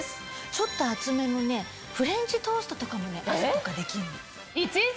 ちょっと厚めのフレンチトーストとかも朝とかできるの。